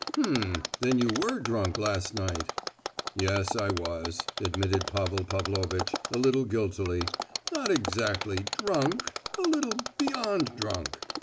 "Hem! Then you were drunk last night?" "Yes—I was!" admitted Pavel Pavlovitch, a little guiltily—"not exactly drunk, a little beyond drunk!